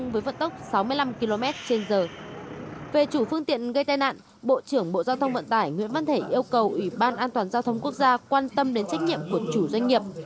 về phương tiện gây tai nạn bộ trưởng bộ giao thông vận tải nguyễn văn thể yêu cầu ủy ban an toàn giao thông quốc gia quan tâm đến trách nhiệm của chủ doanh nghiệp